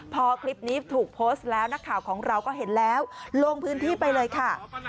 พอคลิปนี้ถูกโพสต์แล้วนักข่าวของเราก็เห็นแล้วลงพื้นที่ไปเลยค่ะ